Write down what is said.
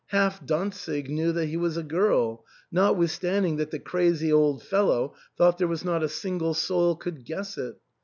Half Dantzic knew that he was a girl, notwithstanding that the crazy old fellow thought there was not a single soul could guess it.